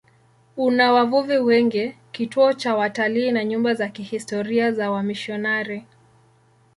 Una wavuvi wengi, kituo cha watalii na nyumba za kihistoria za wamisionari.